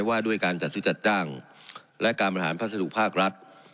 ว่าด้วยการจัดซื้อจัดจ้างและการบริหารพัสดุภาครัฐ